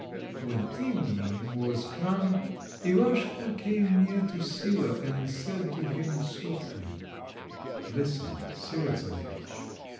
When evening was come Ivaschka came near to Sila, and said to him softly— "Listen, Sila Czarovitch.